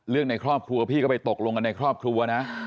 ในครอบครัวพี่ก็ไปตกลงกันในครอบครัวนะ